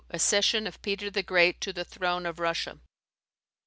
Accession of Peter the Great to the throne of Russia.